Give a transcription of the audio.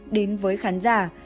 đến với khán giả